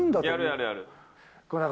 やる、やる、やる。